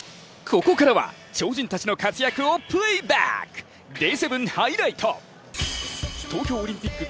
ここからは超人たちの活躍をプレーバック。